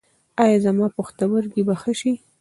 ایا زما پښتورګي به ښه شي؟